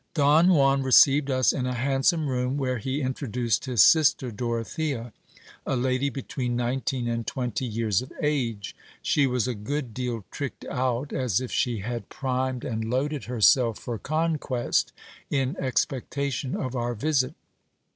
Don Juan received us in a handsome room, where he introduced his sister Dorothea, a lady between nineteen and twenty years of age. She was a good deal tricked out, as if she had primed and loaded herself for conquest, in ex pectation of our visit.